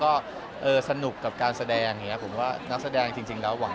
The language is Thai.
แสวได้ไงของเราก็เชียนนักอยู่ค่ะเป็นผู้ร่วมงานที่ดีมาก